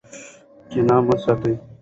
کینه مه ساتئ.